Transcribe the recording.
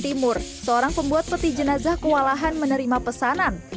timur seorang pembuat peti jenazah kewalahan menerima pesanan